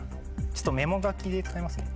ちょっとメモ書きで使いますね。